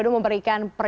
daerah mana pak